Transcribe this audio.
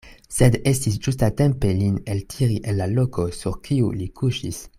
Sed estis ĝustatempe lin eltiri el la loko, sur kiu li kuŝis.